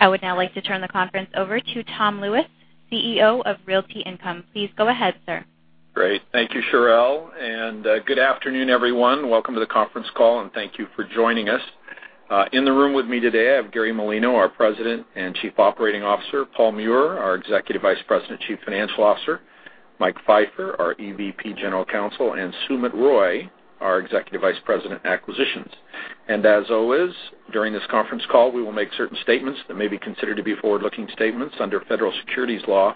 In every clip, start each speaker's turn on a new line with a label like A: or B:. A: I would now like to turn the conference over to Tom Lewis, CEO of Realty Income. Please go ahead, sir.
B: Great. Thank you, Sharelle, and good afternoon, everyone. Welcome to the conference call, and thank you for joining us. In the room with me today, I have Gary Malino, our President and Chief Operating Officer, Paul Meurer, our Executive Vice President and Chief Financial Officer, Mike Pfeiffer, our EVP General Counsel, and Sumit Roy, our Executive Vice President, Acquisitions. As always, during this conference call, we will make certain statements that may be considered to be forward-looking statements under federal securities law.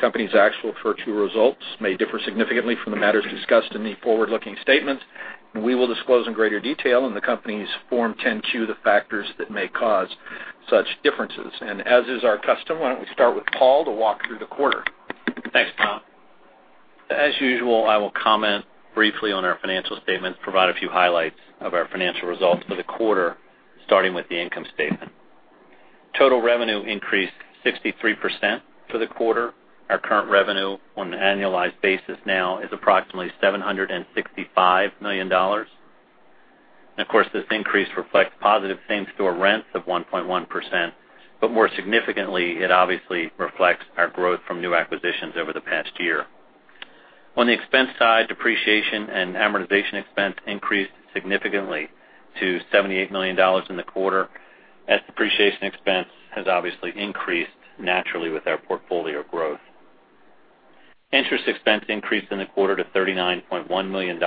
B: Company's actual future results may differ significantly from the matters discussed in the forward-looking statements, and we will disclose in greater detail in the company's Form 10-Q the factors that may cause such differences. As is our custom, why don't we start with Paul to walk through the quarter?
C: Thanks, Tom. As usual, I will comment briefly on our financial statements, provide a few highlights of our financial results for the quarter, starting with the income statement. Total revenue increased 63% for the quarter. Our current revenue on an annualized basis now is approximately $765 million. Of course, this increase reflects positive same-store rents of 1.1%, but more significantly, it obviously reflects our growth from new acquisitions over the past year. On the expense side, depreciation and amortization expense increased significantly to $78 million in the quarter, as depreciation expense has obviously increased naturally with our portfolio growth. Interest expense increased in the quarter to $39.1 million.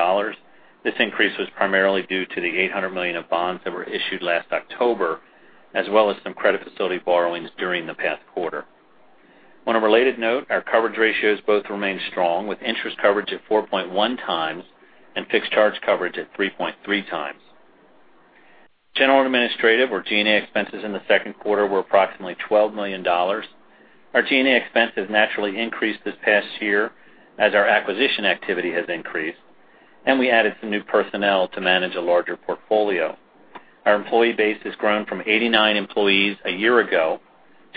C: This increase was primarily due to the $800 million of bonds that were issued last October, as well as some credit facility borrowings during the past quarter. On a related note, our coverage ratios both remained strong, with interest coverage at 4.1 times and fixed charge coverage at 3.3 times. General & Administrative, or G&A, expenses in the second quarter were approximately $12 million. Our G&A expense has naturally increased this past year as our acquisition activity has increased, and we added some new personnel to manage a larger portfolio. Our employee base has grown from 89 employees a year ago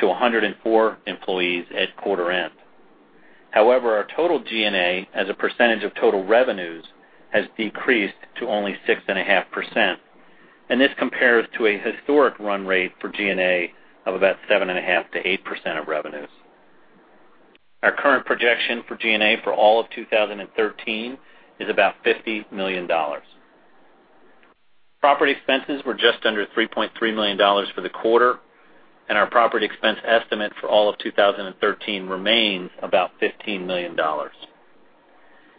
C: to 104 employees at quarter end. However, our total G&A as a percentage of total revenues has decreased to only 6.5%, and this compares to a historic run rate for G&A of about 7.5%-8% of revenues. Our current projection for G&A for all of 2013 is about $50 million. Property expenses were just under $3.3 million for the quarter, and our property expense estimate for all of 2013 remains about $15 million.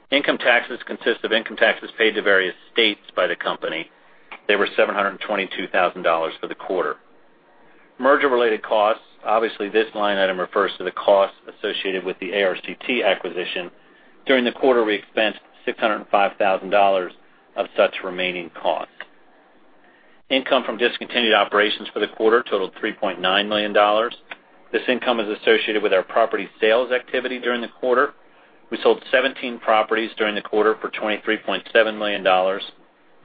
C: Income taxes consist of income taxes paid to various states by the company. They were $722,000 for the quarter. Merger-related costs, obviously, this line item refers to the costs associated with the ARCT acquisition. During the quarter, we expensed $605,000 of such remaining costs. Income from discontinued operations for the quarter totaled $3.9 million. This income is associated with our property sales activity during the quarter. We sold 17 properties during the quarter for $23.7 million,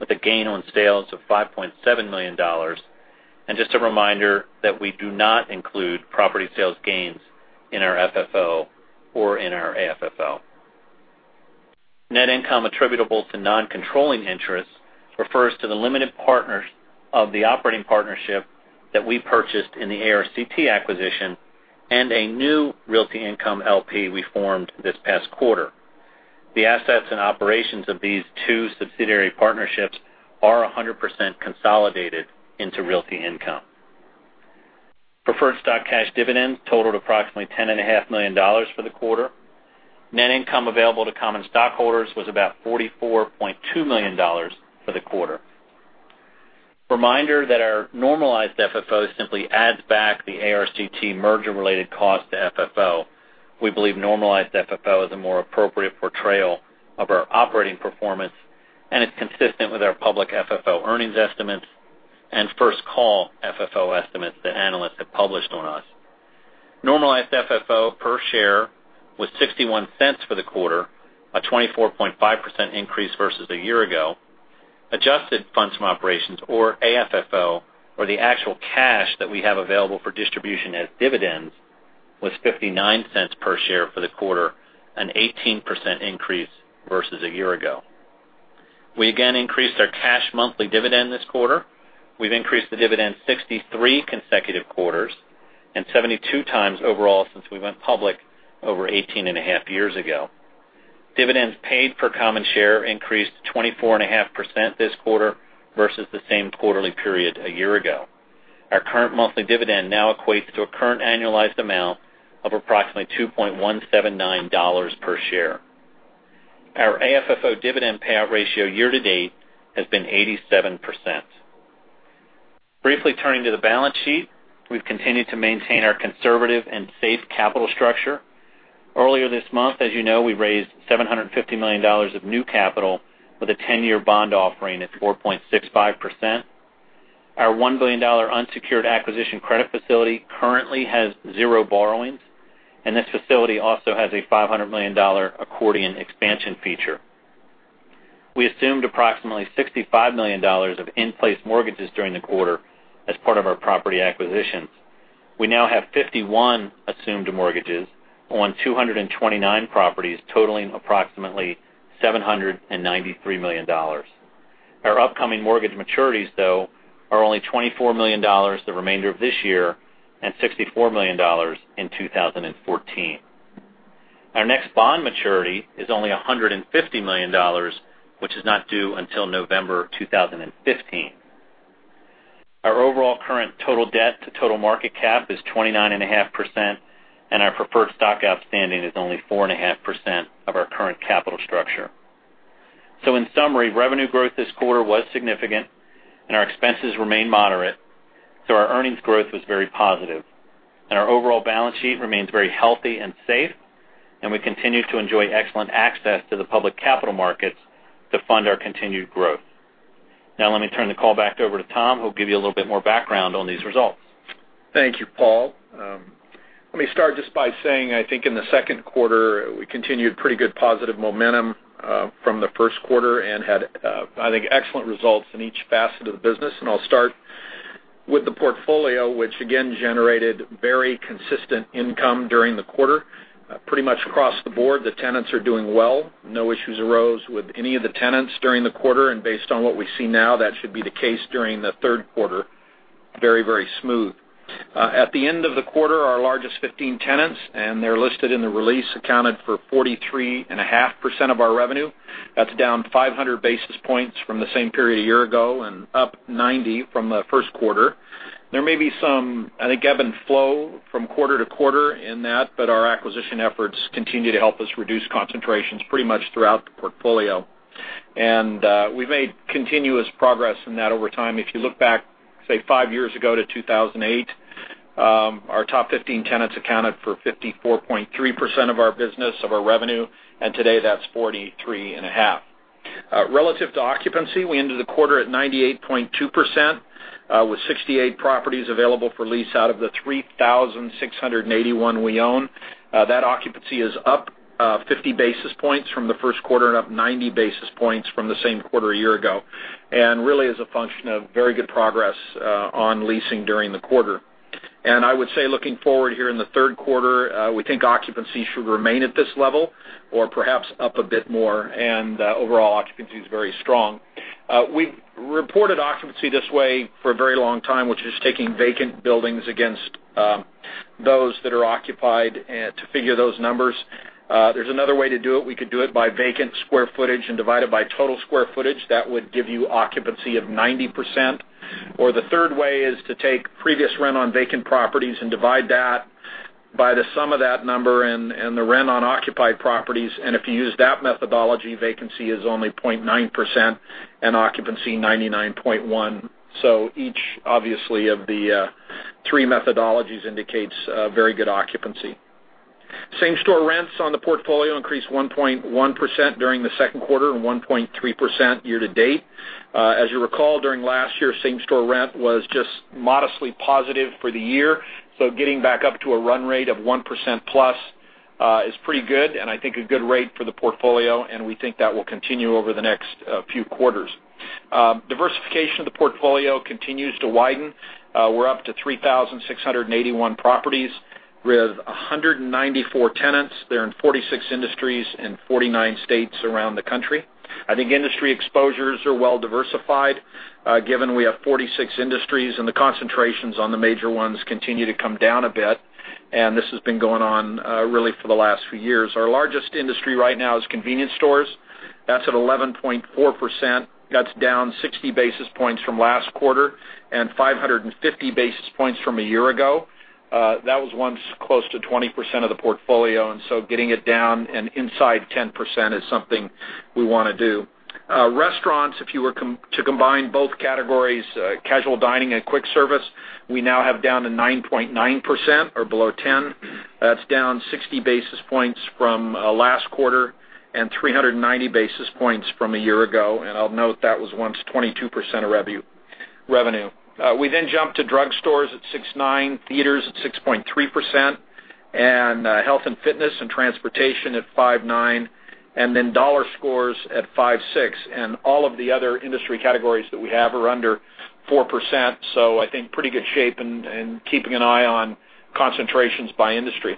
C: with a gain on sales of $5.7 million. Just a reminder that we do not include property sales gains in our FFO or in our AFFO. Net income attributable to non-controlling interests refers to the limited partners of the operating partnership that we purchased in the ARCT acquisition and a new Realty Income LP we formed this past quarter. The assets and operations of these two subsidiary partnerships are 100% consolidated into Realty Income. Preferred stock cash dividends totaled approximately $10.5 million for the quarter. Net income available to common stockholders was about $44.2 million for the quarter. Reminder that our normalized FFO simply adds back the ARCT merger-related cost to FFO. We believe normalized FFO is a more appropriate portrayal of our operating performance, and it's consistent with our public FFO earnings estimates and first call FFO estimates that analysts have published on us. Normalized FFO per share was $0.61 for the quarter, a 24.5% increase versus a year ago. Adjusted funds from operations, or AFFO, or the actual cash that we have available for distribution as dividends, was $0.59 per share for the quarter, an 18% increase versus a year ago. We again increased our cash monthly dividend this quarter. We've increased the dividend 63 consecutive quarters and 72 times overall since we went public over 18 and a half years ago. Dividends paid per common share increased 24.5% this quarter versus the same quarterly period a year ago. Our current monthly dividend now equates to a current annualized amount of approximately $2.179 per share. Our AFFO dividend payout ratio year to date has been 87%. Briefly turning to the balance sheet, we've continued to maintain our conservative and safe capital structure. Earlier this month, as you know, we raised $750 million of new capital with a 10-year bond offering at 4.65%. Our $1 billion unsecured acquisition credit facility currently has zero borrowings, and this facility also has a $500 million accordion expansion feature. We assumed approximately $65 million of in-place mortgages during the quarter as part of our property acquisitions. We now have 51 assumed mortgages on 229 properties totaling approximately $793 million. Our upcoming mortgage maturities though, are only $24 million the remainder of this year and $64 million in 2014. Our next bond maturity is only $150 million, which is not due until November 2015. Our overall current total debt to total market cap is 29.5%, and our preferred stock outstanding is only 4.5% of our current capital structure. In summary, revenue growth this quarter was significant, and our expenses remain moderate. Our earnings growth was very positive, and our overall balance sheet remains very healthy and safe, and we continue to enjoy excellent access to the public capital markets to fund our continued growth. Now let me turn the call back over to Tom, who'll give you a little bit more background on these results.
B: Thank you, Paul. Let me start just by saying, I think in the second quarter, we continued pretty good positive momentum from the first quarter and had, I think, excellent results in each facet of the business. I'll start with the portfolio, which again, generated very consistent income during the quarter. Pretty much across the board, the tenants are doing well. No issues arose with any of the tenants during the quarter, and based on what we see now, that should be the case during the third quarter, very smooth. At the end of the quarter, our largest 15 tenants, and they're listed in the release, accounted for 43.5% of our revenue. That's down 500 basis points from the same period a year ago and up 90 from the first quarter. There may be some, I think, ebb and flow from quarter to quarter in that, our acquisition efforts continue to help us reduce concentrations pretty much throughout the portfolio. We've made continuous progress in that over time. If you look back, say, five years ago to 2008, our top 15 tenants accounted for 54.3% of our business, of our revenue, and today that's 43.5%. Relative to occupancy, we ended the quarter at 98.2%, with 68 properties available for lease out of the 3,681 we own. That occupancy is up 50 basis points from the first quarter and up 90 basis points from the same quarter a year ago. Really is a function of very good progress on leasing during the quarter. I would say looking forward here in the third quarter, we think occupancy should remain at this level or perhaps up a bit more and overall occupancy is very strong. We've reported occupancy this way for a very long time, which is taking vacant buildings against those that are occupied to figure those numbers. There's another way to do it. We could do it by vacant square footage and divide it by total square footage. That would give you occupancy of 90%. Or the third way is to take previous rent on vacant properties and divide that by the sum of that number and the rent on occupied properties. If you use that methodology, vacancy is only 0.9% and occupancy 99.1%. Each, obviously, of the three methodologies indicates very good occupancy. Same store rents on the portfolio increased 1.1% during the second quarter and 1.3% year to date. As you recall, during last year, same store rent was just modestly positive for the year. Getting back up to a run rate of 1% plus is pretty good and I think a good rate for the portfolio, and we think that will continue over the next few quarters. Diversification of the portfolio continues to widen. We're up to 3,681 properties with 194 tenants. They're in 46 industries and 49 states around the country. I think industry exposures are well diversified, given we have 46 industries and the concentrations on the major ones continue to come down a bit. This has been going on really for the last few years. Our largest industry right now is convenience stores. That's at 11.4%. That's down 60 basis points from last quarter and 550 basis points from a year ago. So getting it down and inside 10% is something we want to do. Restaurants, if you were to combine both categories, casual dining and quick service, we now have down to 9.9% or below 10. That's down 60 basis points from last quarter and 390 basis points from a year ago. I'll note that was once 22% of revenue. We jump to drugstores at 6.9, theaters at 6.3%, and health and fitness and transportation at 5.9, and then dollar stores at 5.6. All of the other industry categories that we have are under 4%. I think pretty good shape and keeping an eye on concentrations by industry.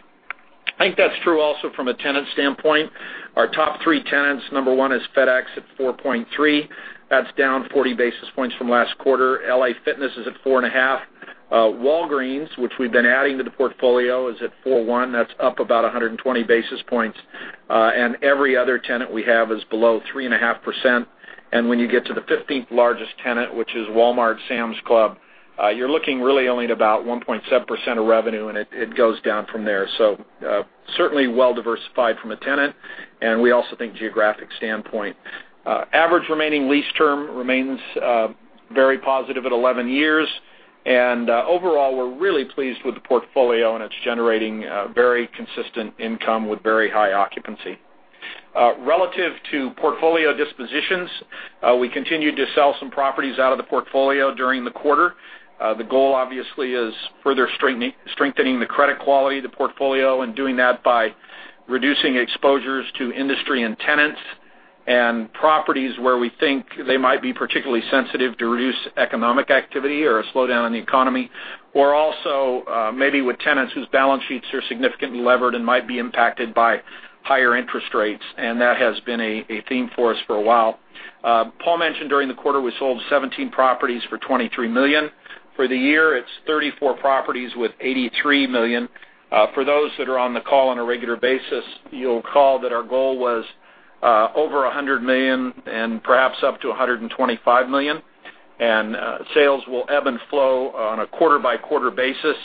B: I think that's true also from a tenant standpoint. Our top three tenants, number 1 is FedEx at 4.3. That's down 40 basis points from last quarter. LA Fitness is at 4.5. Walgreens, which we've been adding to the portfolio, is at 4.1. That's up about 120 basis points. Every other tenant we have is below 3.5%. When you get to the 15th largest tenant, which is Walmart, Sam's Club, you're looking really only at about 1.7% of revenue, and it goes down from there. Certainly well-diversified from a tenant, and we also think geographic standpoint. Average remaining lease term remains very positive at 11 years. Overall, we're really pleased with the portfolio and it's generating very consistent income with very high occupancy. Relative to portfolio dispositions, we continued to sell some properties out of the portfolio during the quarter. The goal, obviously, is further strengthening the credit quality of the portfolio and doing that by reducing exposures to industry and tenants and properties where we think they might be particularly sensitive to reduced economic activity or a slowdown in the economy. Or also maybe with tenants whose balance sheets are significantly levered and might be impacted by higher interest rates, and that has been a theme for us for a while. Paul Meurer mentioned during the quarter, we sold 17 properties for $23 million. For the year, it's 34 properties with $83 million. For those that are on the call on a regular basis, you'll recall that our goal was over $100 million and perhaps up to $125 million. Sales will ebb and flow on a quarter-by-quarter basis,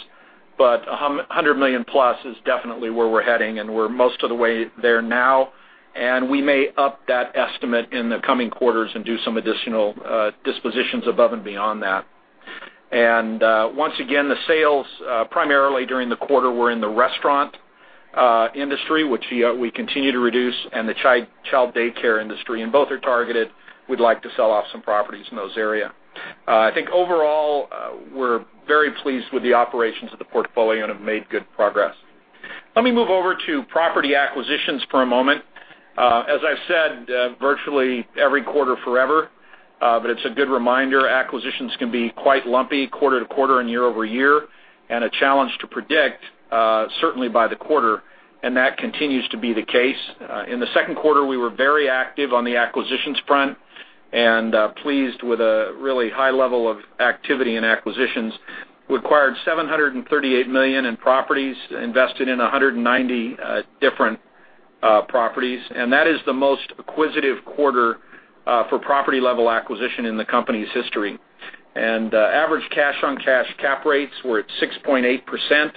B: but $100 million plus is definitely where we're heading, and we're most of the way there now. We may up that estimate in the coming quarters and do some additional dispositions above and beyond that. Once again, the sales, primarily during the quarter, were in the restaurant industry, which we continue to reduce, and the child daycare industry. Both are targeted. We'd like to sell off some properties in those areas. I think overall, we're very pleased with the operations of the portfolio and have made good progress. Let me move over to property acquisitions for a moment. As I've said virtually every quarter forever, but it's a good reminder, acquisitions can be quite lumpy quarter-to-quarter and year-over-year, and a challenge to predict, certainly by the quarter, and that continues to be the case. In the second quarter, we were very active on the acquisitions front and pleased with a really high level of activity in acquisitions. We acquired $738 million in properties, invested in 190 different properties. That is the most acquisitive quarter for property-level acquisition in the company's history. Average cash-on-cash cap rates were at 6.8%.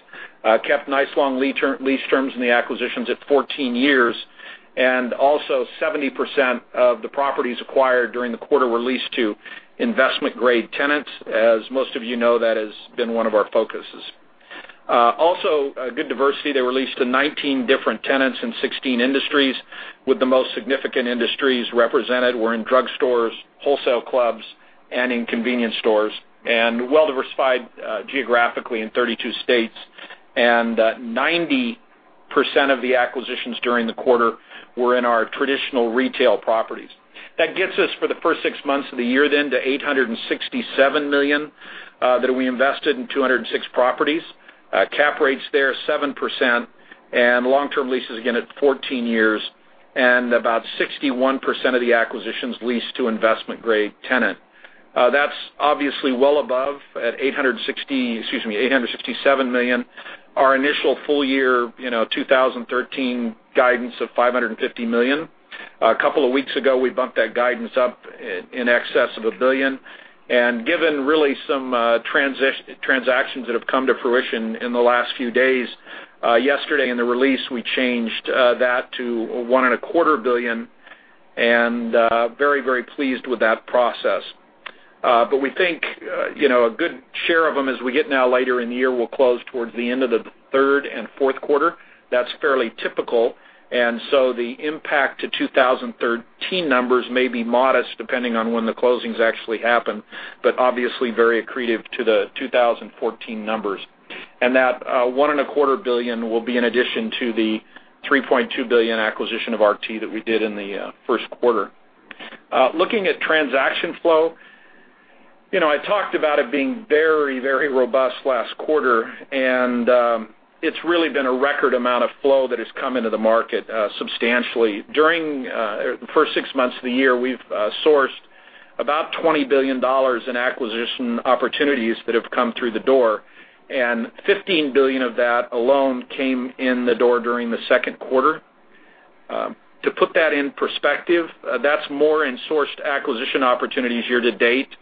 B: Kept nice long lease terms in the acquisitions at 14 years, and also 70% of the properties acquired during the quarter were leased to investment-grade tenants. As most of you know, that has been one of our focuses. A good diversity. They were leased to 19 different tenants in 16 industries, with the most significant industries represented were in drugstores, wholesale clubs, and in convenience stores. Well-diversified geographically in 32 states. 90% of the acquisitions during the quarter were in our traditional retail properties. That gets us for the first six months of the year to $867 million, that we invested in 206 properties. Cap rates there, 7%, and long-term leases, again, at 14 years, and about 61% of the acquisitions leased to investment-grade tenant. That's obviously well above at $867 million, our initial full-year 2013 guidance of $550 million. A couple of weeks ago, we bumped that guidance up in excess of $1 billion. Given really some transactions that have come to fruition in the last few days, yesterday in the release, we changed that to $1.25 billion, and very, very pleased with that process. We think, a good share of them as we get now later in the year will close towards the end of the third and fourth quarter. That's fairly typical. The impact to 2013 numbers may be modest depending on when the closings actually happen, but obviously very accretive to the 2014 numbers. That $1.25 billion will be in addition to the $3.2 billion acquisition of ARCT that we did in the first quarter. Looking at transaction flow. I talked about it being very, very robust last quarter, and it's really been a record amount of flow that has come into the market substantially. During the first six months of the year, we've sourced about $20 billion in acquisition opportunities that have come through the door, and $15 billion of that alone came in the door during the second quarter. To put that in perspective, that's more in sourced acquisition opportunities year to date than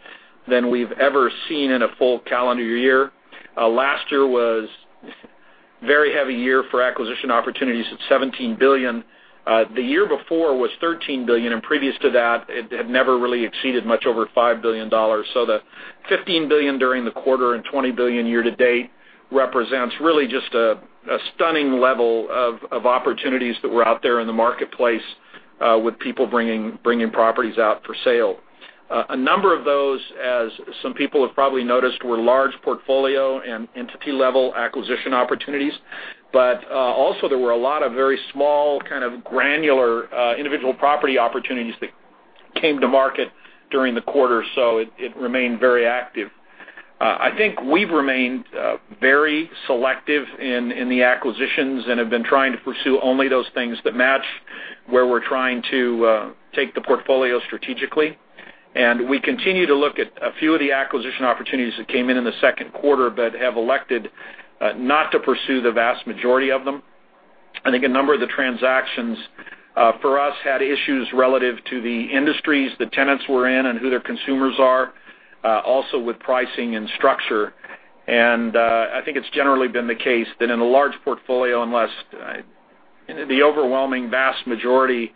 B: we've ever seen in a full calendar year. Last year was a very heavy year for acquisition opportunities at $17 billion. The year before was $13 billion, and previous to that, it had never really exceeded much over $5 billion. The $15 billion during the quarter and $20 billion year to date represents really just a stunning level of opportunities that were out there in the marketplace with people bringing properties out for sale. A number of those, as some people have probably noticed, were large portfolio and entity-level acquisition opportunities. Also there were a lot of very small, kind of granular, individual property opportunities that came to market during the quarter, so it remained very active. I think we've remained very selective in the acquisitions and have been trying to pursue only those things that match where we're trying to take the portfolio strategically. We continue to look at a few of the acquisition opportunities that came in in the second quarter but have elected not to pursue the vast majority of them. I think a number of the transactions for us had issues relative to the industries the tenants were in and who their consumers are, also with pricing and structure. I think it's generally been the case that in a large portfolio, unless the overwhelming vast majority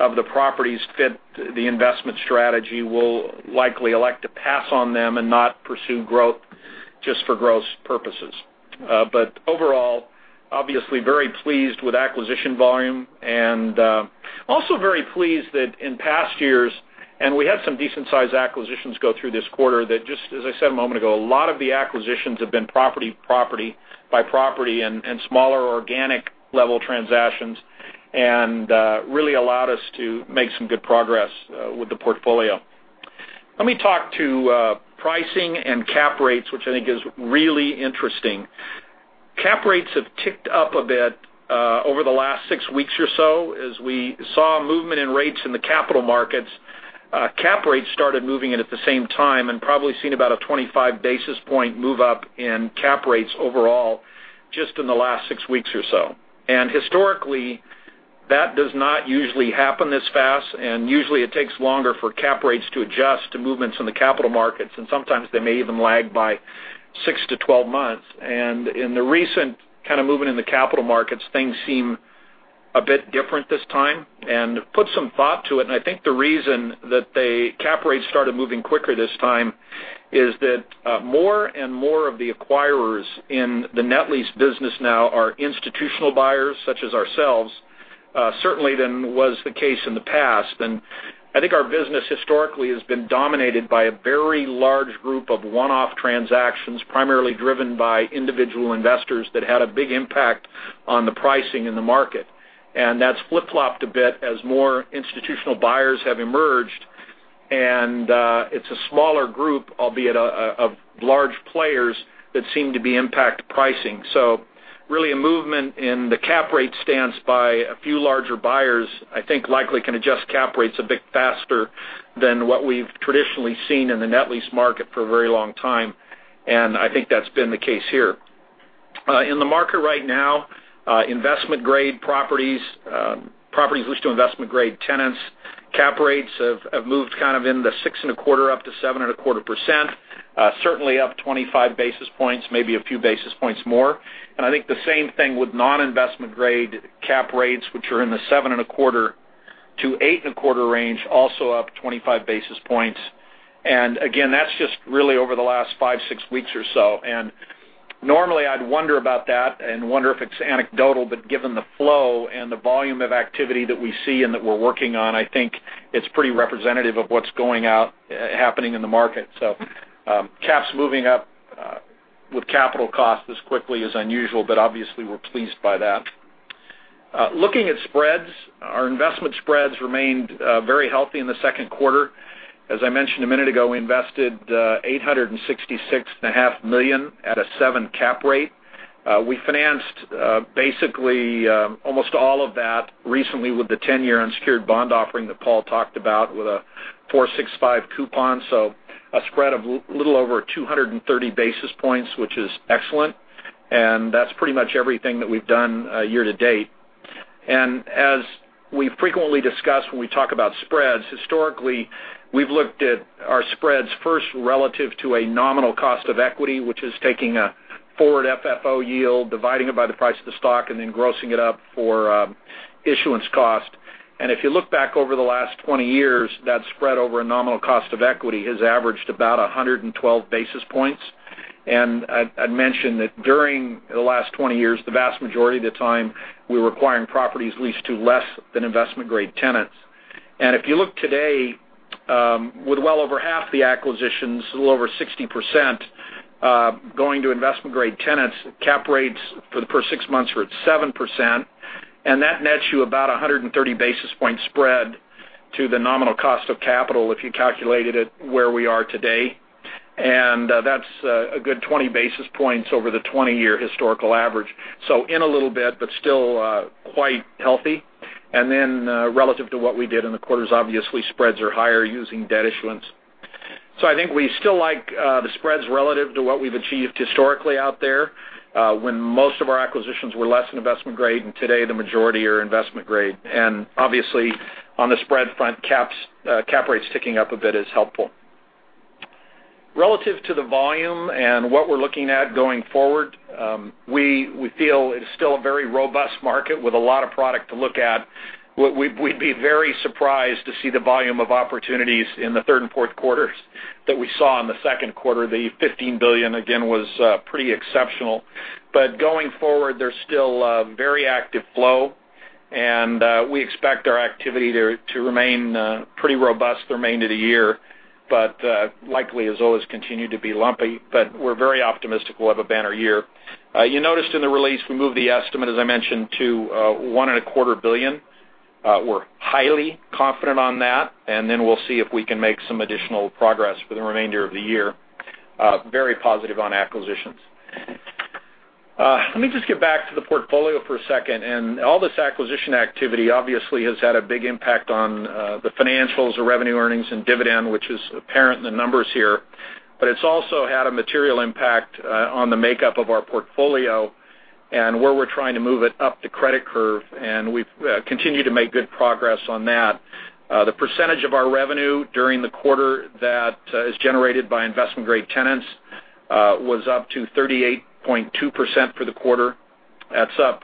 B: of the properties fit the investment strategy, we'll likely elect to pass on them and not pursue growth just for growth's purposes. Overall, obviously very pleased with acquisition volume and also very pleased that in past years we had some decent-sized acquisitions go through this quarter that just, as I said a moment ago, a lot of the acquisitions have been property by property and smaller organic-level transactions, and really allowed us to make some good progress with the portfolio. Let me talk to pricing and cap rates, which I think is really interesting. Cap rates have ticked up a bit over the last six weeks or so. As we saw movement in rates in the capital markets, cap rates started moving in at the same time and probably seen about a 25-basis-point move up in cap rates overall just in the last six weeks or so. Historically, that does not usually happen this fast, and usually, it takes longer for cap rates to adjust to movements in the capital markets, and sometimes they may even lag by six to 12 months. In the recent kind of movement in the capital markets, things seem a bit different this time. I've put some thought to it, and I think the reason that the cap rate started moving quicker this time is that more and more of the acquirers in the net lease business now are institutional buyers, such as ourselves, certainly than was the case in the past. I think our business historically has been dominated by a very large group of one-off transactions, primarily driven by individual investors that had a big impact on the pricing in the market. That's flip-flopped a bit as more institutional buyers have emerged, and it's a smaller group, albeit of large players, that seem to be impact pricing. Really a movement in the cap rate stance by a few larger buyers, I think, likely can adjust cap rates a bit faster than what we've traditionally seen in the net lease market for a very long time. I think that's been the case here. In the market right now, investment-grade properties leased to investment-grade tenants, cap rates have moved kind of in the 6.25%-7.25%, certainly up 25 basis points, maybe a few basis points more. I think the same thing with non-investment-grade cap rates, which are in the 7.25%-8.25% range, also up 25 basis points. Again, that's just really over the last five, six weeks or so. Normally I'd wonder about that and wonder if it's anecdotal, but given the flow and the volume of activity that we see and that we're working on, I think it's pretty representative of what's happening in the market. Caps moving up with capital costs as quickly is unusual, but obviously, we're pleased by that. Looking at spreads, our investment spreads remained very healthy in the second quarter. As I mentioned a minute ago, we invested $866.5 million at a 7% cap rate. We financed basically almost all of that recently with the 10-year unsecured bond offering that Paul talked about with a 4.65% coupon, so a spread of little over 230 basis points, which is excellent. That's pretty much everything that we've done year-to-date. As we frequently discuss when we talk about spreads, historically, we've looked at our spreads first relative to a nominal cost of equity, which is taking a forward FFO yield, dividing it by the price of the stock, and then grossing it up for issuance cost. If you look back over the last 20 years, that spread over a nominal cost of equity has averaged about 112 basis points. I'd mention that during the last 20 years, the vast majority of the time, we were acquiring properties leased to less than investment-grade tenants. If you look today, with well over half the acquisitions, a little over 60%, going to investment-grade tenants, cap rates for the first six months were at 7%, and that nets you about 130-basis-point spread to the nominal cost of capital if you calculated it where we are today. That's a good 20 basis points over the 20-year historical average. In a little bit, but still quite healthy. Then relative to what we did in the quarters, obviously, spreads are higher using debt issuance. I think we still like the spreads relative to what we've achieved historically out there, when most of our acquisitions were less than investment grade, and today the majority are investment grade. Obviously, on the spread front, cap rates ticking up a bit is helpful. Relative to the volume and what we're looking at going forward, we feel it is still a very robust market with a lot of product to look at. We'd be very surprised to see the volume of opportunities in the third and fourth quarters that we saw in the second quarter. The $15 billion, again, was pretty exceptional. Going forward, there's still a very active flow, and we expect our activity to remain pretty robust the remainder of the year. Likely, as always, continue to be lumpy. We're very optimistic we'll have a banner year. You noticed in the release, we moved the estimate, as I mentioned, to $1.25 billion. We're highly confident on that, and then we'll see if we can make some additional progress for the remainder of the year. Very positive on acquisitions. Let me just get back to the portfolio for a second. All this acquisition activity obviously has had a big impact on the financials, the revenue earnings, and dividend, which is apparent in the numbers here. It's also had a material impact on the makeup of our portfolio and where we're trying to move it up the credit curve, and we've continued to make good progress on that. The percentage of our revenue during the quarter that is generated by investment-grade tenants was up to 38.2% for the quarter. That's up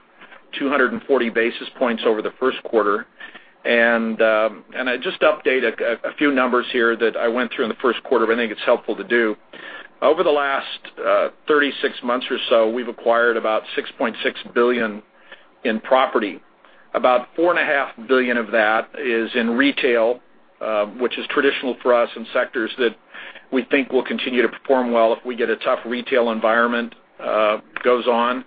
B: 240 basis points over the first quarter. I just update a few numbers here that I went through in the first quarter, but I think it's helpful to do. Over the last 36 months or so, we've acquired about $6.6 billion in property. About $4.5 billion of that is in retail, which is traditional for us in sectors that we think will continue to perform well if we get a tough retail environment goes on.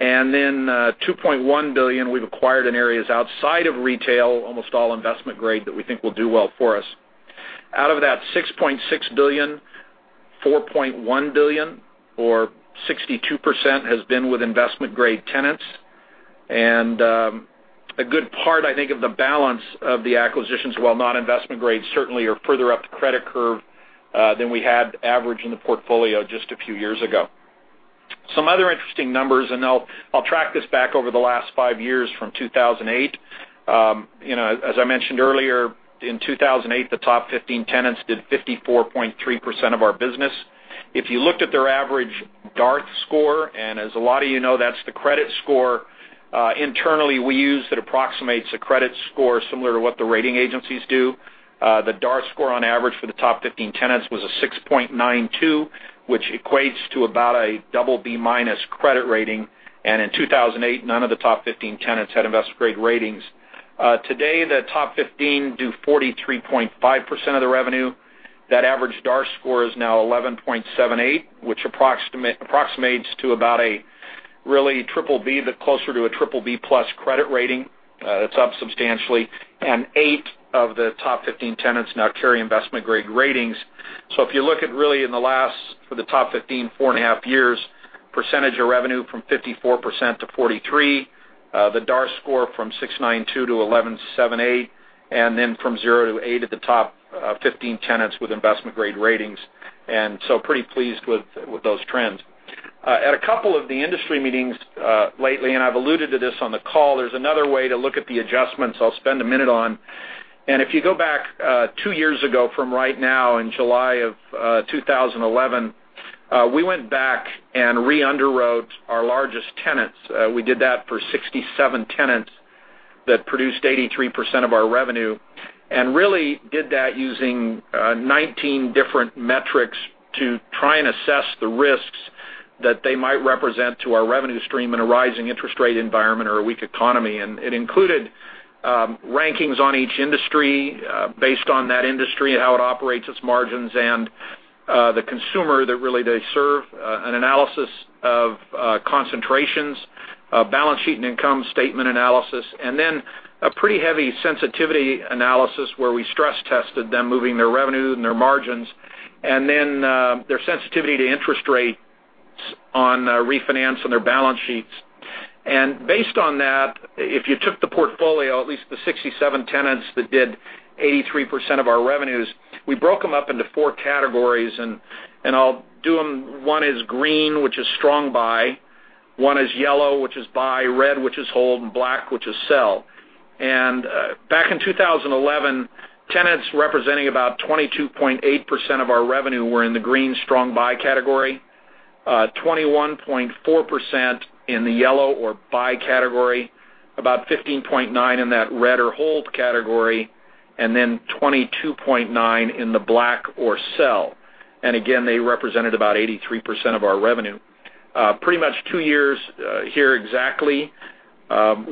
B: Then $2.1 billion we've acquired in areas outside of retail, almost all investment-grade, that we think will do well for us. Out of that $6.6 billion, $4.1 billion or 62% has been with investment-grade tenants. A good part, I think, of the balance of the acquisitions, while not investment-grade, certainly are further up the credit curve than we had average in the portfolio just a few years ago. Some other interesting numbers. I'll track this back over the last five years, from 2008. As I mentioned earlier, in 2008, the top 15 tenants did 54.3% of our business. If you looked at their average DART score, as a lot of you know, that's the credit score internally we use that approximates a credit score similar to what the rating agencies do. The DART score on average for the top 15 tenants was a 6.92, which equates to about a double B-minus credit rating. In 2008, none of the top 15 tenants had investment-grade ratings. Today, the top 15 do 43.5% of the revenue. That average DART score is now 11.78, which approximates to about a really triple B, but closer to a triple B-plus credit rating. That's up substantially. Eight of the top 15 tenants now carry investment-grade ratings. If you look at really in the last, for the top 15, four and a half years, percentage of revenue from 54% to 43%, the DART score from 692 to 1,178, then from zero to eight of the top 15 tenants with investment-grade ratings. Pretty pleased with those trends. At a couple of the industry meetings lately. I've alluded to this on the call, there's another way to look at the adjustments I'll spend a minute on. If you go back two years ago from right now in July of 2011, we went back and re-underwrote our largest tenants. We did that for 67 tenants that produced 83% of our revenue, really did that using 19 different metrics to try and assess the risks that they might represent to our revenue stream in a rising interest rate environment or a weak economy. It included rankings on each industry based on that industry and how it operates its margins and the consumer that really they serve, an analysis of concentrations, a balance sheet and income statement analysis, then a pretty heavy sensitivity analysis where we stress-tested them moving their revenue and their margins and then their sensitivity to interest rates on refinance on their balance sheets. Based on that, if you took the portfolio, at least the 67 tenants that did 83% of our revenues, we broke them up into four categories. I'll do them. One is green, which is strong buy, one is yellow, which is buy, red, which is hold, and black, which is sell. Back in 2011, tenants representing about 22.8% of our revenue were in the green strong buy category, 21.4% in the yellow or buy category, about 15.9% in that red or hold category, then 22.9% in the black or sell. Again, they represented about 83% of our revenue. Pretty much two years here exactly.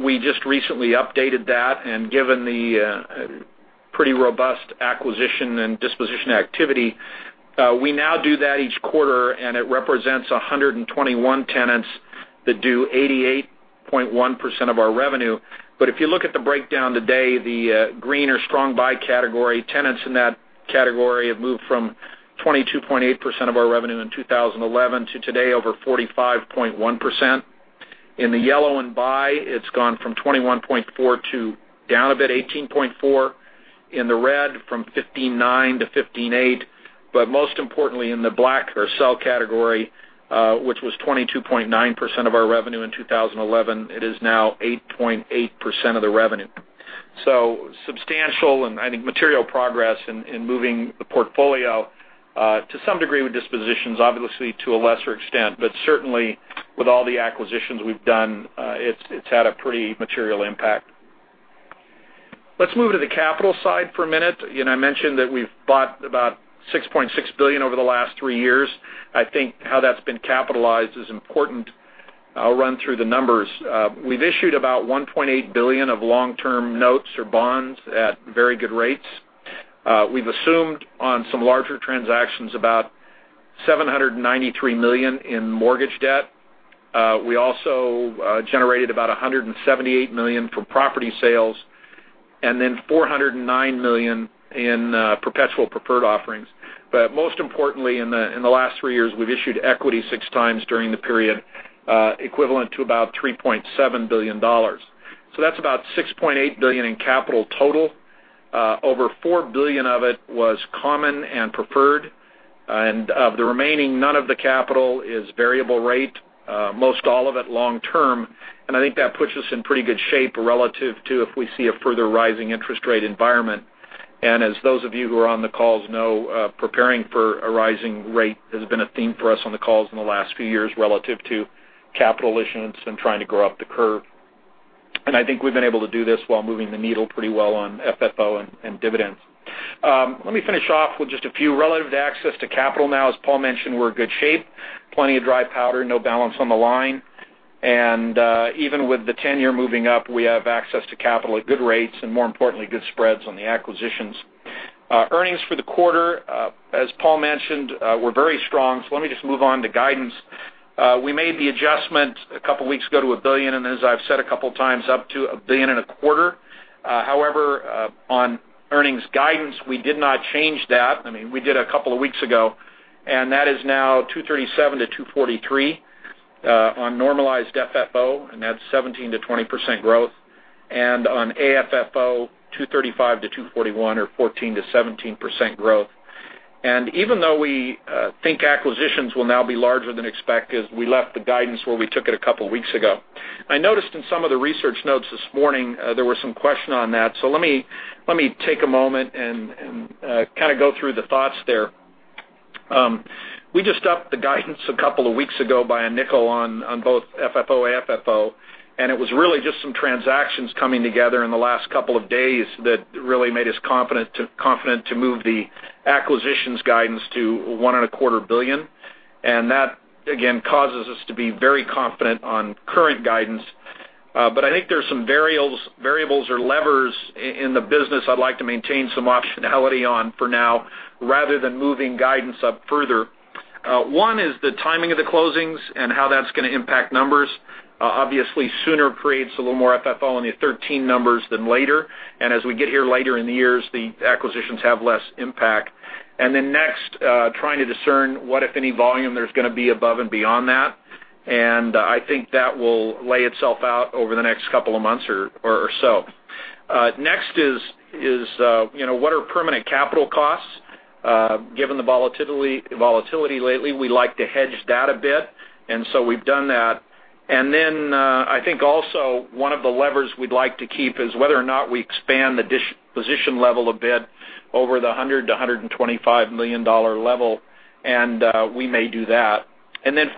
B: We just recently updated that, and given the pretty robust acquisition and disposition activity, we now do that each quarter, and it represents 121 tenants that do 88.1% of our revenue. If you look at the breakdown today, the green or strong buy category, tenants in that category have moved from 22.8% of our revenue in 2011 to today over 45.1%. In the yellow and buy, it's gone from 21.4% to down a bit, 18.4%. In the red, from 15.9% to 15.8%. Most importantly, in the black or sell category, which was 22.9% of our revenue in 2011, it is now 8.8% of the revenue. So substantial and I think material progress in moving the portfolio to some degree with dispositions, obviously to a lesser extent, but certainly, with all the acquisitions we've done, it's had a pretty material impact. Let's move to the capital side for a minute. I mentioned that we've bought about $6.6 billion over the last three years. I think how that's been capitalized is important. I'll run through the numbers. We've issued about $1.8 billion of long-term notes or bonds at very good rates. We've assumed on some larger transactions about $793 million in mortgage debt. We also generated about $178 million from property sales and then $409 million in perpetual preferred offerings. Most importantly, in the last three years, we've issued equity six times during the period, equivalent to about $3.7 billion. So that's about $6.8 billion in capital total. Over $4 billion of it was common and preferred, and of the remaining, none of the capital is variable rate, most all of it long-term, and I think that puts us in pretty good shape relative to if we see a further rising interest rate environment. As those of you who are on the calls know, preparing for a rising rate has been a theme for us on the calls in the last few years relative to capital issuance and trying to go up the curve. I think we've been able to do this while moving the needle pretty well on FFO and dividends. Let me finish off with just a few. Relative to access to capital now, as Paul mentioned, we're in good shape. Plenty of dry powder, no balance on the line. Even with the 10-year moving up, we have access to capital at good rates and more importantly, good spreads on the acquisitions. Earnings for the quarter, as Paul mentioned, were very strong. Let me just move on to guidance. We made the adjustment a couple of weeks ago to $1 billion, and as I've said a couple of times, up to $1.25 billion. However, on earnings guidance, we did not change that. I mean, we did a couple of weeks ago, and that is now $2.37-$2.43 on normalized FFO, and that's 17%-20% growth. On AFFO, $2.35-$2.41 or 14%-17% growth. Even though we think acquisitions will now be larger than expected, we left the guidance where we took it a couple of weeks ago. I noticed in some of the research notes this morning, there were some questions on that. Let me take a moment and go through the thoughts there. We just upped the guidance a couple of weeks ago by a nickel on both FFO and AFFO, and it was really just some transactions coming together in the last couple of days that really made us confident to move the acquisitions guidance to $1.25 billion. That, again, causes us to be very confident on current guidance. I think there's some variables or levers in the business I'd like to maintain some optionality on for now rather than moving guidance up further. One is the timing of the closings and how that's going to impact numbers. Obviously, sooner creates a little more FFO in the 2013 numbers than later. As we get here later in the years, the acquisitions have less impact. Next, trying to discern what, if any, volume there's going to be above and beyond that. I think that will lay itself out over the next couple of months or so. Next is, what are permanent capital costs? Given the volatility lately, we like to hedge that a bit, and so we've done that. I think also one of the levers we'd like to keep is whether or not we expand the disposition level a bit over the $100 million-$125 million level, and we may do that.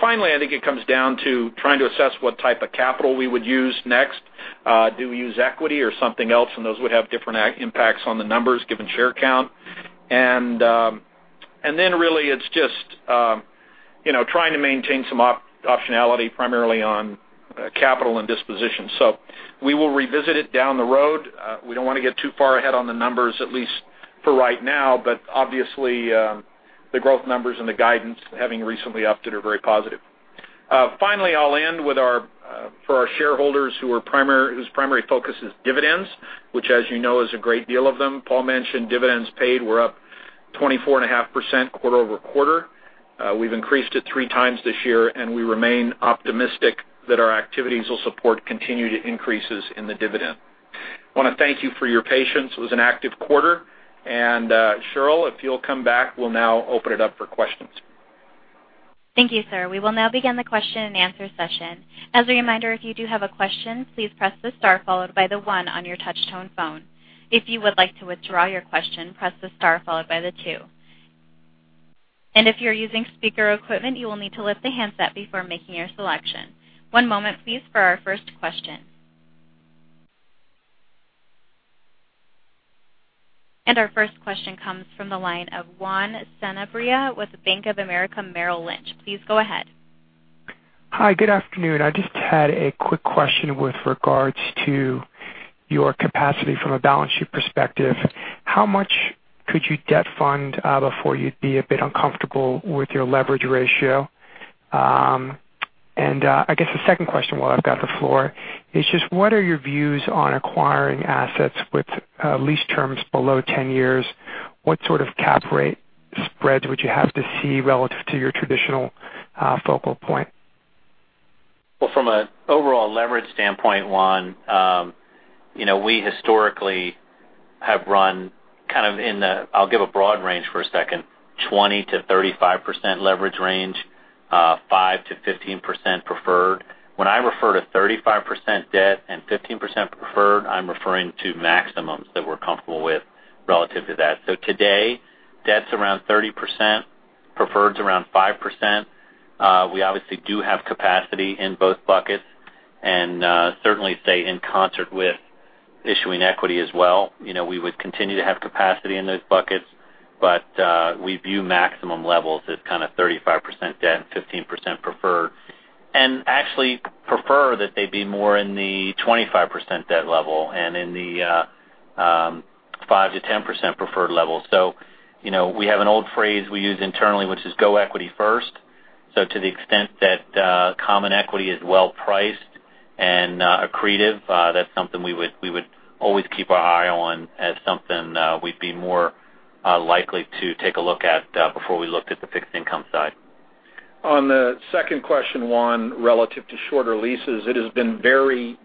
B: Finally, I think it comes down to trying to assess what type of capital we would use next. Do we use equity or something else? Those would have different impacts on the numbers given share count. Really it's just trying to maintain some optionality primarily on capital and disposition. We will revisit it down the road. We don't want to get too far ahead on the numbers, at least for right now, but obviously, the growth numbers and the guidance having recently upped it are very positive. Finally, I'll end for our shareholders whose primary focus is dividends, which as you know, is a great deal of them. Paul mentioned dividends paid were up 24.5% quarter-over-quarter. We've increased it three times this year, and we remain optimistic that our activities will support continued increases in the dividend. I want to thank you for your patience. It was an active quarter. Cheryl, if you'll come back, we'll now open it up for questions.
A: Thank you, sir. We will now begin the question and answer session. As a reminder, if you do have a question, please press the star followed by the one on your touch-tone phone. If you would like to withdraw your question, press the star followed by the two. If you're using speaker equipment, you will need to lift the handset before making your selection. One moment please for our first question. Our first question comes from the line of Juan Sanabria with Bank of America Merrill Lynch. Please go ahead.
D: Hi, good afternoon. I just had a quick question with regards to your capacity from a balance sheet perspective. How much could you debt fund before you'd be a bit uncomfortable with your leverage ratio? I guess the second question while I've got the floor is just what are your views on acquiring assets with lease terms below 10 years? What sort of cap rate spreads would you have to see relative to your traditional focal point?
B: Well, from an overall leverage standpoint, Juan, we historically have run kind of in the, I'll give a broad range for a second, 20%-35% leverage range, 5%-15% preferred. When I refer to 35% debt and 15% preferred, I'm referring to maximums that we're comfortable with relative to that. Today, debt's around 30%, preferred's around 5%. We obviously do have capacity in both buckets and certainly stay in concert with issuing equity as well. We would continue to have capacity in those buckets, but we view maximum levels as kind of 35% debt and 15% preferred. Actually prefer that they be more in the 25% debt level and in the 5%-10% preferred level. We have an old phrase we use internally, which is go equity first. To the extent that common equity is well-priced and accretive, that's something we would always keep our eye on as something we'd be more likely to take a look at before we looked at the fixed income side. On the second question, Juan, relative to shorter leases, it has been very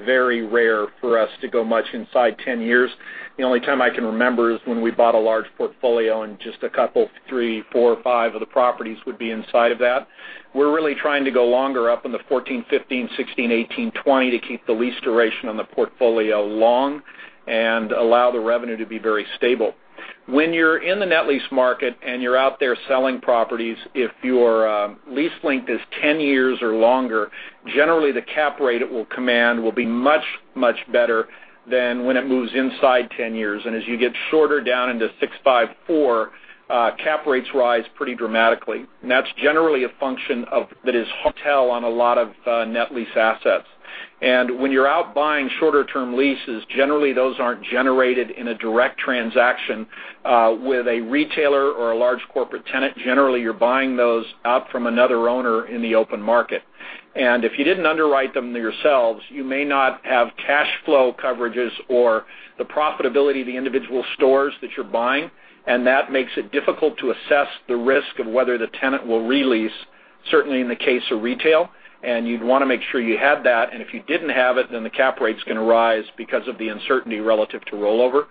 B: rare for us to go much inside 10 years. The only time I can remember is when we bought a large portfolio and just a couple, three, four, or five of the properties would be inside of that. We're really trying to go longer up in the 14, 15, 16, 18, 20 to keep the lease duration on the portfolio long and allow the revenue to be very stable. When you're in the net lease market and you're out there selling properties, if your lease length is 10 years or longer, generally the cap rate it will command will be much, much better than when it moves inside 10 years. As you get shorter down into six, five, four, cap rates rise pretty dramatically. That's generally a function of, that is hotel on a lot of net lease assets. When you're out buying shorter term leases, generally those aren't generated in a direct transaction with a retailer or a large corporate tenant. Generally, you're buying those out from another owner in the open market. If you didn't underwrite them yourselves, you may not have cash flow coverages or the profitability of the individual stores that you're buying, and that makes it difficult to assess the risk of whether the tenant will re-lease, certainly in the case of retail, and you'd want to make sure you have that. If you didn't have it, then the cap rate's going to rise because of the uncertainty relative to rollover.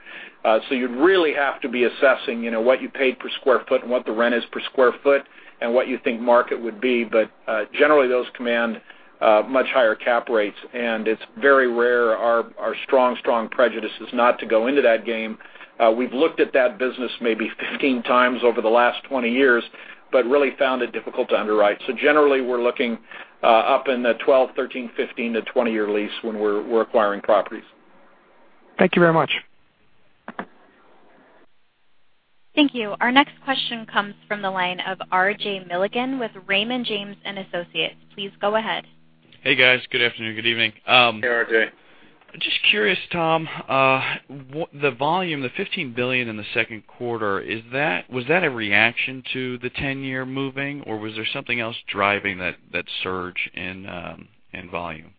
B: You'd really have to be assessing what you paid per square foot and what the rent is per square foot and what you think market would be. Generally, those command much higher cap rates, and it's very rare. Our strong prejudice is not to go into that game. We've looked at that business maybe 15 times over the last 20 years but really found it difficult to underwrite. Generally, we're looking up in the 12, 13, 15-20-year lease when we're acquiring properties.
D: Thank you very much.
A: Thank you. Our next question comes from the line of RJ Milligan with Raymond James & Associates. Please go ahead.
E: Hey, guys. Good afternoon. Good evening.
B: Hey, RJ.
E: Just curious, Tom, the volume, the $15 billion in the second quarter, was that a reaction to the 10-year moving, or was there something else driving that surge in volume?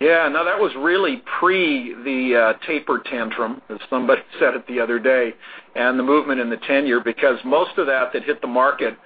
B: No, that was really pre the taper tantrum, as somebody said it the other day, and the movement in the 10-year, because most of that that hit the market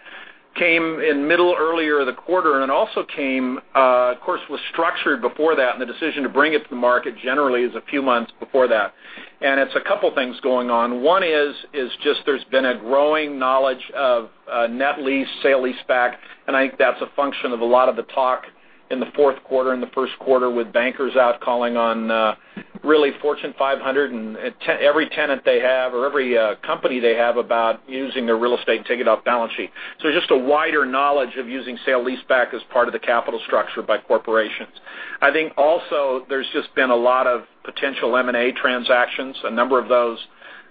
B: came in middle, earlier the quarter, and it also came, of course, was structured before that, and the decision to bring it to the market generally is a few months before that. It's a couple things going on. One is just there's been a growing knowledge of net lease, sale leaseback, and I think that's a function of a lot of the talk in the fourth quarter, in the first quarter with bankers out calling on really Fortune 500 and every tenant they have or every company they have about using their real estate and take it off balance sheet. Just a wider knowledge of using sale leaseback as part of the capital structure by corporations. I think also there's just been a lot of potential M&A transactions. A number of those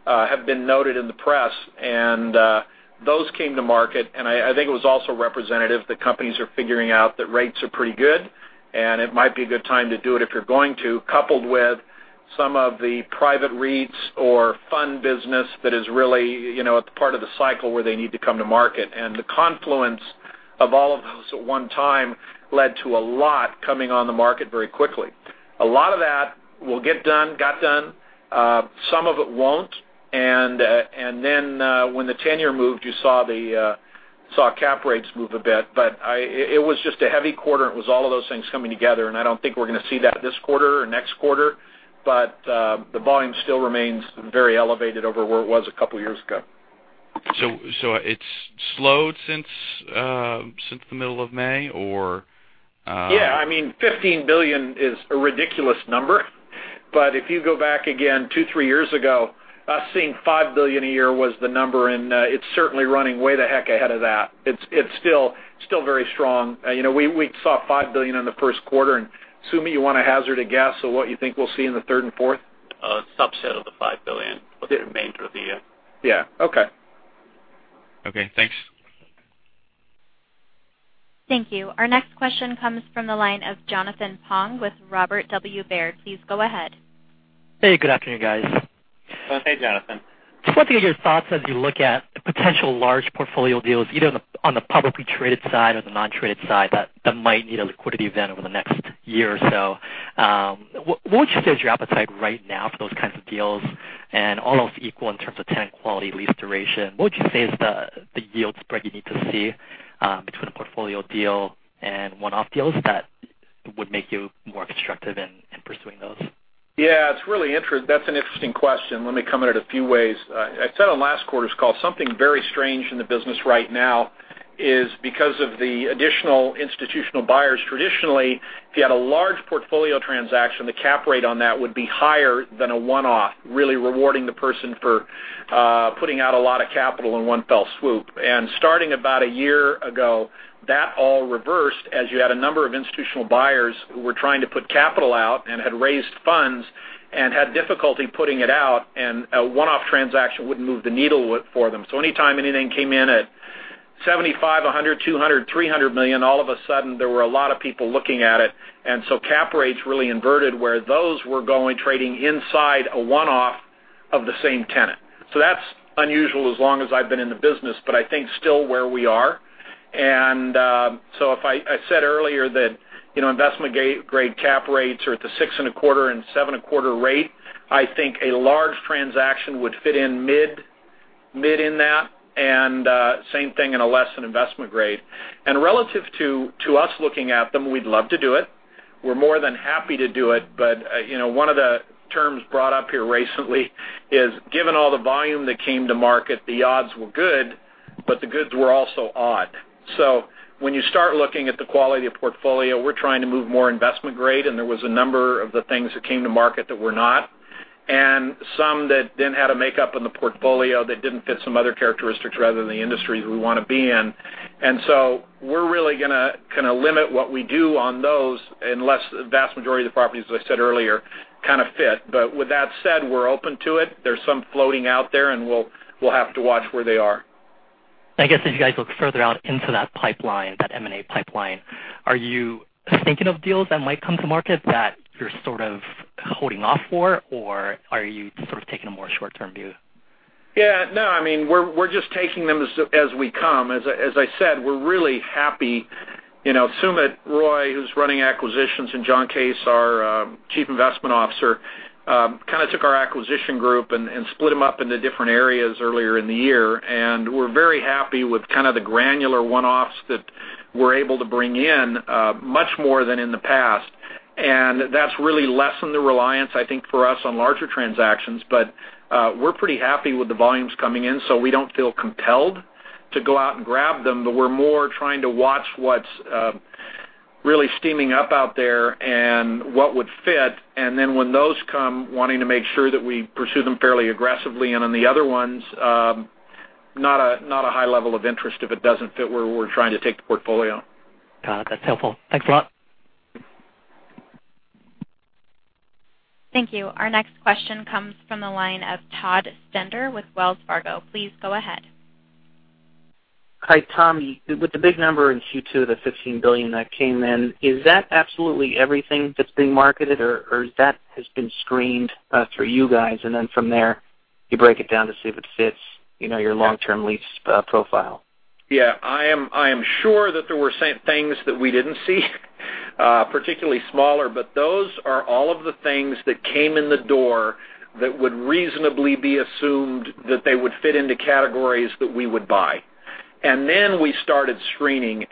B: have been noted in the press, and those came to market, and I think it was also representative that companies are figuring out that rates are pretty good, and it might be a good time to do it if you're going to, coupled with some of the private REITs or fund business that is really at the part of the cycle where they need to come to market. The confluence of all of those at one time led to a lot coming on the market very quickly. A lot of that will get done, got done. Some of it won't. When the 10-year moved, you saw cap rates move a bit. It was just a heavy quarter and it was all of those things coming together, and I don't think we're going to see that this quarter or next quarter, but the volume still remains very elevated over where it was a couple of years ago.
E: It's slowed since the middle of May, or?
B: Yeah. $15 billion is a ridiculous number. If you go back again two, three years ago, us seeing $5 billion a year was the number, and it's certainly running way the heck ahead of that. It's still very strong. We saw $5 billion in the first quarter, and Sumit, you want to hazard a guess of what you think we'll see in the third and fourth?
F: A subset of the $5 billion for the remainder of the year.
B: Yeah. Okay.
E: Okay. Thanks.
A: Thank you. Our next question comes from the line of Jonathan Pong with Robert W. Baird. Please go ahead.
G: Hey, good afternoon, guys.
B: Hey, Jonathan.
G: Just wanted to get your thoughts as you look at potential large portfolio deals, either on the publicly traded side or the non-traded side, that might need a liquidity event over the next year or so. What would you say is your appetite right now for those kinds of deals and all else equal in terms of tenant quality, lease duration? What would you say is the yield spread you need to see between a portfolio deal and one-off deals that would make you more constructive in pursuing those?
B: Yeah, that's an interesting question. Let me come at it a few ways. I said on last quarter's call, something very strange in the business right now is because of the additional institutional buyers, traditionally, if you had a large portfolio transaction, the cap rate on that would be higher than a one-off, really rewarding the person for putting out a lot of capital in one fell swoop. Starting about a year ago, that all reversed as you had a number of institutional buyers who were trying to put capital out and had raised funds and had difficulty putting it out, and a one-off transaction wouldn't move the needle for them. Anytime anything came in at $75 million, $100 million, $200 million, $300 million, all of a sudden there were a lot of people looking at it. Cap rates really inverted where those were going trading inside a one-off of the same tenant. That's unusual as long as I've been in the business, but I think still where we are. I said earlier that investment-grade cap rates are at the 6.25% and 7.25% rate. I think a large transaction would fit in mid in that, and same thing in a less than investment grade. Relative to us looking at them, we'd love to do it. We're more than happy to do it. One of the terms brought up here recently is, given all the volume that came to market, the odds were good. The goods were also odd. When you start looking at the quality of portfolio, we're trying to move more investment grade, and there was a number of the things that came to market that were not, and some that didn't have the makeup in the portfolio, that didn't fit some other characteristics rather than the industries we want to be in. We're really going to limit what we do on those, unless the vast majority of the properties, as I said earlier, kind of fit. With that said, we're open to it. There's some floating out there, and we'll have to watch where they are.
G: I guess if you guys look further out into that M&A pipeline, are you thinking of deals that might come to market that you're sort of holding off for, or are you sort of taking a more short-term view?
B: No, we're just taking them as we come. As I said, we're really happy. Sumit Roy, who's running acquisitions, and John Case, our Chief Investment Officer, kind of took our acquisition group and split them up into different areas earlier in the year. We're very happy with kind of the granular one-offs that we're able to bring in much more than in the past. That's really lessened the reliance, I think, for us on larger transactions. We're pretty happy with the volumes coming in, so we don't feel compelled to go out and grab them. We're more trying to watch what's really steaming up out there and what would fit, and then when those come, wanting to make sure that we pursue them fairly aggressively. On the other ones, not a high level of interest if it doesn't fit where we're trying to take the portfolio.
G: Got it. That's helpful. Thanks a lot.
A: Thank you. Our next question comes from the line of Todd Stender with Wells Fargo. Please go ahead.
H: Hi, Tom. With the big number in Q2, the $15 billion that came in, is that absolutely everything that's being marketed, or that has been screened through you guys, and then from there, you break it down to see if it fits your long-term lease profile?
B: Yeah, I am sure that there were certain things that we didn't see, particularly smaller, but those are all of the things that came in the door that would reasonably be assumed that they would fit into categories that we would buy. Then we started screening.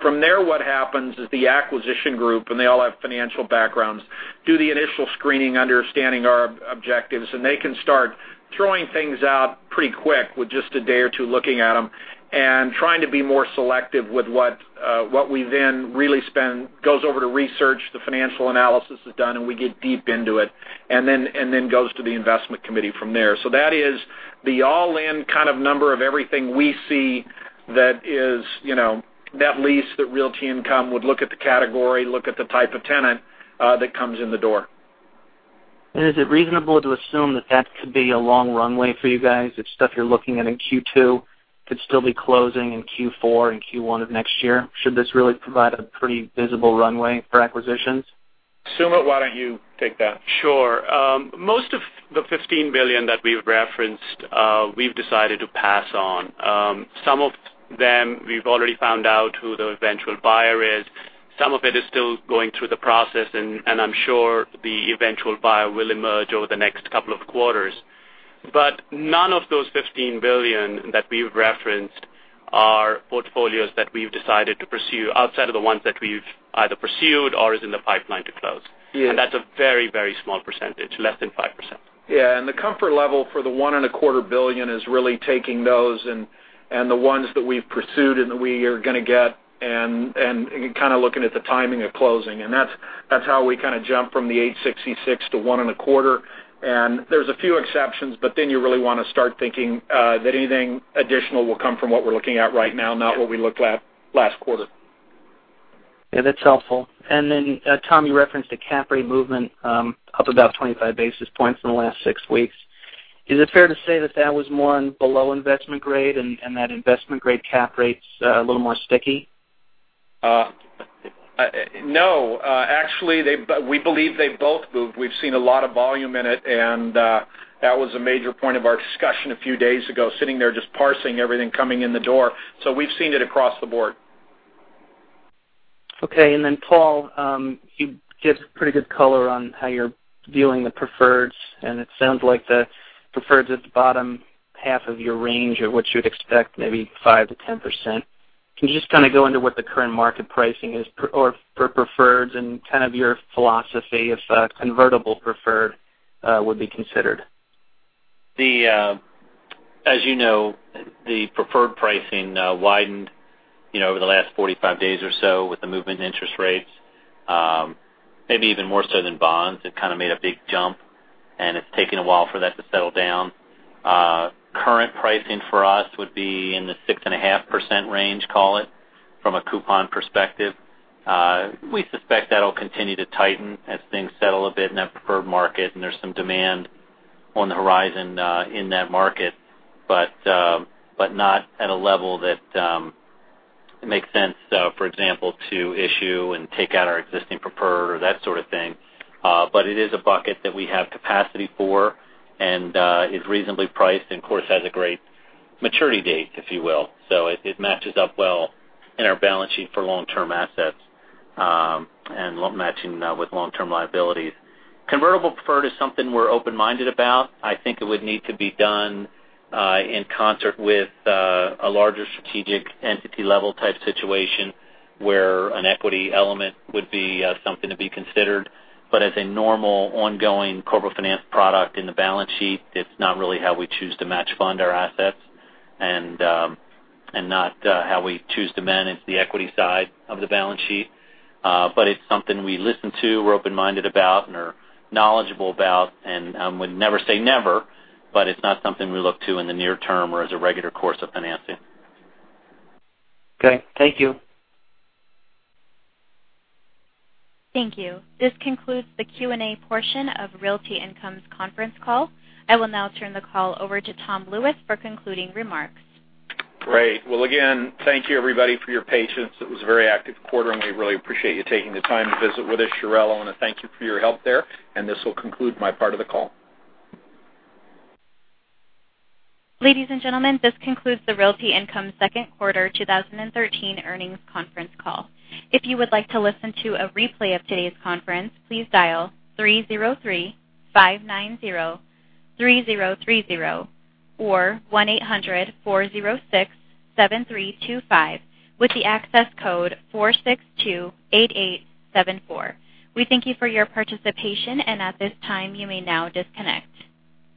B: From there, what happens is the acquisition group, and they all have financial backgrounds, do the initial screening, understanding our objectives, and they can start throwing things out pretty quick with just a day or two looking at them and trying to be more selective with what we then really spend, goes over to research. The financial analysis is done, and we get deep into it, and then goes to the investment committee from there. That is the all-in kind of number of everything we see that is that lease that Realty Income would look at the category, look at the type of tenant that comes in the door.
H: Is it reasonable to assume that that could be a long runway for you guys, that stuff you're looking at in Q2 could still be closing in Q4 and Q1 of next year? Should this really provide a pretty visible runway for acquisitions?
B: Sumit, why don't you take that?
F: Sure. Most of the $15 billion that we've referenced, we've decided to pass on. Some of them, we've already found out who the eventual buyer is. Some of it is still going through the process, I'm sure the eventual buyer will emerge over the next couple of quarters. None of those $15 billion that we've referenced are portfolios that we've decided to pursue outside of the ones that we've either pursued or is in the pipeline to close.
B: Yeah.
F: That's a very small percentage, less than 5%.
B: Yeah. The comfort level for the $1.25 billion is really taking those and the ones that we've pursued and that we are going to get and kind of looking at the timing of closing. That's how we kind of jump from the $866 to one and a quarter. There's a few exceptions. You really want to start thinking that anything additional will come from what we're looking at right now, not what we looked at last quarter.
H: Yeah, that's helpful. Tom, you referenced the cap rate movement up about 25 basis points in the last 6 weeks. Is it fair to say that that was more on below investment grade and that investment-grade cap rate's a little more sticky?
B: No. Actually, we believe they both moved. We've seen a lot of volume in it, and that was a major point of our discussion a few days ago, sitting there, just parsing everything coming in the door. We've seen it across the board.
H: Okay. Paul, you give pretty good color on how you're viewing the preferreds, and it sounds like the preferred's at the bottom half of your range of what you'd expect, maybe 5%-10%. Can you just kind of go into what the current market pricing is for preferreds and kind of your philosophy if a convertible preferred would be considered?
C: As you know, the preferred pricing widened over the last 45 days or so with the movement in interest rates. Maybe even more so than bonds. It kind of made a big jump, and it's taken a while for that to settle down. Current pricing for us would be in the 6.5% range, call it, from a coupon perspective. We suspect that'll continue to tighten as things settle a bit in that preferred market, and there's some demand on the horizon in that market, but not at a level that makes sense, for example, to issue and take out our existing preferred or that sort of thing. It is a bucket that we have capacity for and is reasonably priced and, of course, has a great maturity date, if you will. It matches up well in our balance sheet for long-term assets and matching that with long-term liabilities. Convertible preferred is something we're open-minded about. I think it would need to be done in concert with a larger strategic entity-level type situation where an equity element would be something to be considered. As a normal, ongoing corporate finance product in the balance sheet, it's not really how we choose to match-fund our assets and not how we choose to manage the equity side of the balance sheet. It's something we listen to, we're open-minded about, and are knowledgeable about. I would never say never, but it's not something we look to in the near term or as a regular course of financing.
H: Okay. Thank you.
A: Thank you. This concludes the Q&A portion of Realty Income's conference call. I will now turn the call over to Tom Lewis for concluding remarks.
B: Great. Again, thank you, everybody, for your patience. It was a very active quarter, and we really appreciate you taking the time to visit with us. Sharelle, I want to thank you for your help there, and this will conclude my part of the call.
A: Ladies and gentlemen, this concludes the Realty Income second quarter 2013 earnings conference call. If you would like to listen to a replay of today's conference, please dial 303-590-3030 or 1-800-406-7325 with the access code 4628874. We thank you for your participation, and at this time, you may now disconnect.